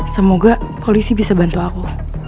semoga polisi bisa bantu aku